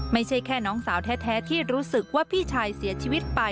ไม่ใช่แค่น้องสาวแท้ที่รู้สึกว่าพี่ชายเสียชีวิตไป